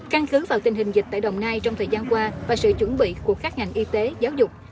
căn cứ vào tình hình dịch tại đồng nai trong thời gian qua và sự chuẩn bị của các ngành y tế giáo dục